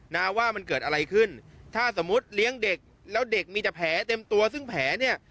นะว่ามันเกิดอะไรขึ้นถ้าสมมุติเลี้ยงเด็กแล้วเด็กมีแต่แผลเต็มตัวซึ่งแผลเนี่ย